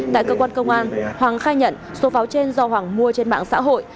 tại cơ quan công an hoàng khai nhận số pháo trên do hoàng mua trên mạng xã hội